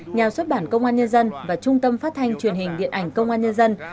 nhà xuất bản công an nhân dân và trung tâm phát thanh truyền hình điện ảnh công an nhân dân